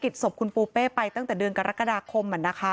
ศพคุณปูเป้ไปตั้งแต่เดือนกรกฎาคม